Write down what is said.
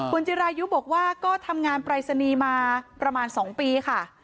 คุณจิรายุบอกว่าก็ทำงานปรายศนีย์มาประมาณ๒ปีค่ะ